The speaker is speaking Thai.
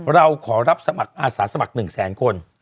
เราขอรับสมัครอาสาสมัคร๑แสนคน